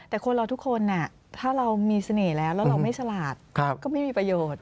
แต่คนเราทุกคนถ้าเรามีเสน่ห์แล้วแล้วเราไม่ฉลาดก็ไม่มีประโยชน์